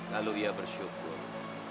lalu ia bersyukur